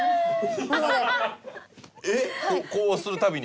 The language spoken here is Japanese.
えっこうするたびに？